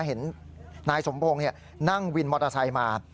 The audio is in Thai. เห็นนายสมพงศ์นั่งวินมอเตอร์ไซค์มา